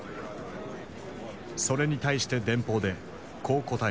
それに対して電報でこう答えた。